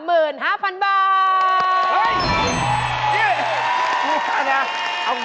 เฮ้ยพี่คะนะเอาอย่างนี้เลย